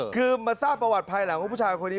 คือมาทราบประวัติภายหลังว่าผู้ชายคนนี้